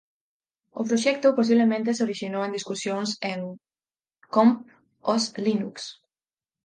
O proxecto posiblemente se orixinou en discusións en "comp.os.linux".